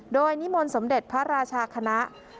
โดยนิมนต์สมเด็จพระราชาคณะ